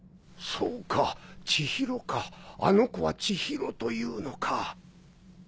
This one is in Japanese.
そうか千尋かあの子は千尋というのか。